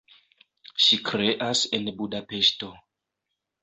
Ŝi kreas en Budapeŝto.